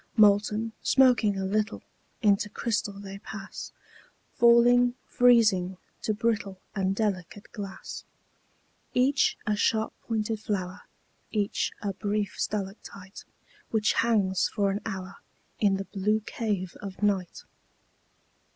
Molten, smoking a little, Into crystal they pass; Falling, freezing, to brittle And delicate glass. Each a sharp pointed flower, Each a brief stalactite Which hangs for an hour In the blue cave of night.